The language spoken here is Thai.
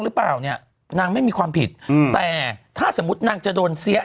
ที่ดูไม่มีความผิดแต่ถ้าสมมุตินั่งจะโดนเสี้ย